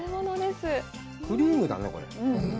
クリームだね、これ。